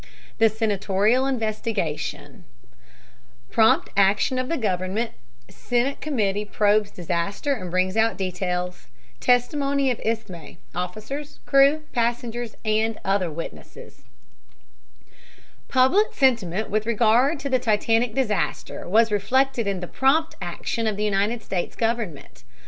THE SENATORIAL INVESTIGATION PROMPT ACTION OF THE GOVERNMENT SENATE COMMITTEE PROBES DISASTER AND BRINGS OUT DETAILS TESTIMONY OF ISMAY, OFFICERS, CREW, PASSENGERS AND OTHER WITNESSES PUBLIC sentiment with regard to the Titanic disaster was reflected in the prompt action of the United States Government.